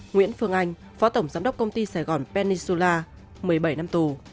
nguyễn phương anh phó tổng giám đốc công ty sài gòn peninsula một mươi bảy năm tù